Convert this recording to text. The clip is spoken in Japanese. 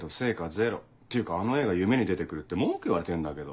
ゼロっていうかあの絵が夢に出て来るって文句言われてんだけど。